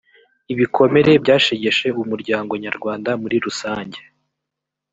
ibikomere byashegeshe umuryango nyarwanda muri rusange